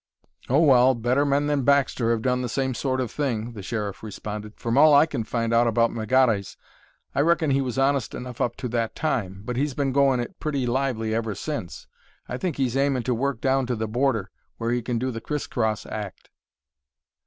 "Oh, well, better men than Baxter have done the same sort of thing," the Sheriff responded. "From all I can find out about Melgares I reckon he was honest enough up to that time; but he's been goin' it pretty lively ever since. I think he's aimin' to work down to the border, where he can do the crisscross act."